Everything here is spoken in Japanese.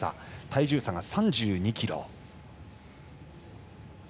体重差が３２ｋｇ。